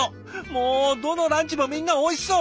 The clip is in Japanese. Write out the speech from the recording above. もうどのランチもみんなおいしそう！